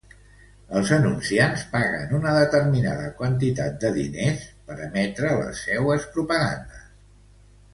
Els anunciants paguen una determinada quantitat de diners per emetre les seues propagandes.